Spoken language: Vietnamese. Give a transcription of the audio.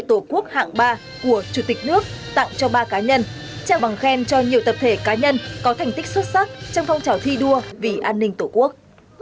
tổ quốc hạng ba của chủ tịch nước tặng cho ba cá nhân trao bằng khen cho nhiều tập thể cá nhân có thành tích xuất sắc trong phong trào thi đua vì an ninh tổ quốc